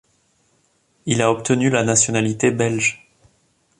Il a obtenu la nationalité belge.